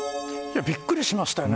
びっくりしましたね。